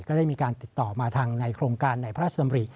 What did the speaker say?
ได้มีการติดต่อมาทางในโครงการในพระราชดำริ